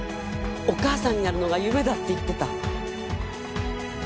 お母さんになるのが夢だって言ってた。